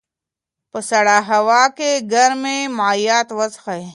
په سړه هوا کې ګرمې مایعات وڅښئ.